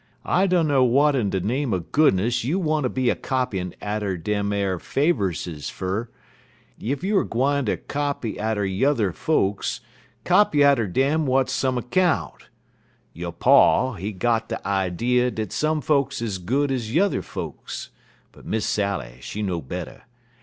I dunner w'at in de name er goodness you wanter be a copyin' atter dem ar Faverses fer. Ef you er gwine ter copy atter yuther folks, copy atter dem w'at's some 'count. Yo' pa, he got de idee dat some folks is good ez yuther folks; but Miss Sally, she know better.